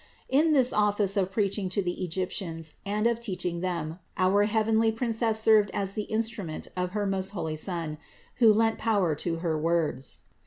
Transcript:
666. In this office of preaching to the Egyptians, and of teaching them, our heavenly Princess served as the instrument of her most holy Son, who lent power to her words.